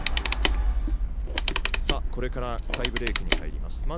これからタイブレークに入ります。